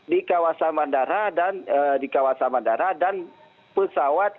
di kawasan bandara dan pesawat